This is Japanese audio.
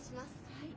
はい。